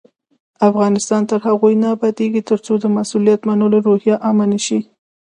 افغانستان تر هغو نه ابادیږي، ترڅو د مسؤلیت منلو روحیه عامه نشي.